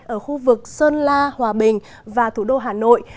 ở khu vực sơn la hòa bình và thủ đô hà nội